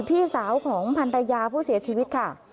พี่สาวของพันรยาผู้เสียชีวิตค่ะ